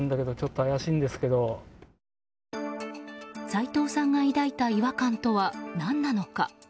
斎藤さんが抱いた違和感とは何なのか。